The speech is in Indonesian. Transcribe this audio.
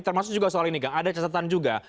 termasuk juga soal ini ada catatan juga